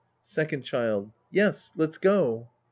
Second Child. Yes, let's go.